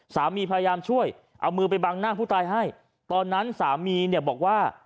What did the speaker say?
พยายามช่วยเอามือไปบังหน้าผู้ตายให้ตอนนั้นสามีเนี่ยบอกว่า